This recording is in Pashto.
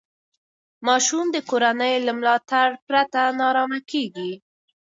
ماشوم د کورنۍ له ملاتړ پرته نارامه کېږي.